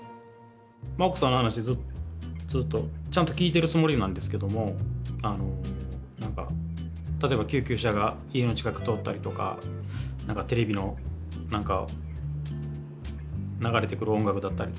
奥さんの話ずっとちゃんと聞いてるつもりなんですけども何か例えば救急車が家の近く通ったりとか何かテレビの流れてくる音楽だったりとか